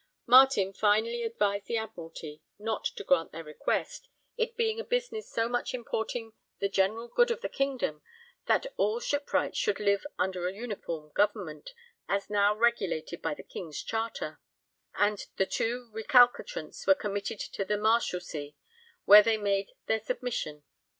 ' Marten finally advised the Admiralty not to grant their request, 'it being a business so much importing the general good of the kingdom that all shipwrights should live under a uniform government, as now regulated by the King's charter,' and the two recalcitrants were committed to the Marshalsea, where they made their submission.